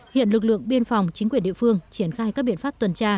hiện lực lượng biên phòng chính quyền địa phương triển khai các biện pháp tuần tra